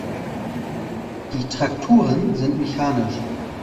Die Trakturen sind mechanisch.